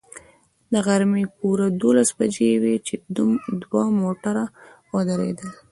د غرمې پوره دولس بجې وې چې دوه موټر ودرېدل.